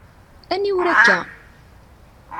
Aniwer akka?